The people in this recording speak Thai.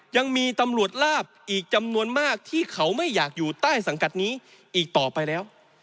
ยังมีตำรวจลาบอีกจำนวนมากที่เขาไม่อยากอยู่ใต้สังกัดนี้อีกต่อไปแล้ว